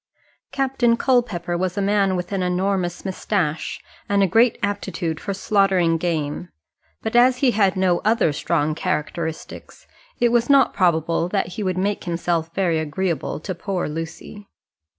Captain Culpepper was a man with an enormous moustache, and a great aptitude for slaughtering game; but as he had no other strong characteristics, it was not probable that he would make himself very agreeable to poor Lucy.